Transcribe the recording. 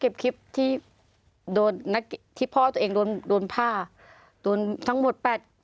วันพ่อตัวเองโดนทักหมด๘